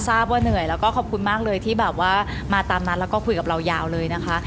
ว่าเหนื่อยแล้วก็ขอบคุณมากเลยที่แบบว่ามาตามนัดแล้วก็คุยกับเรายาวเลยนะคะ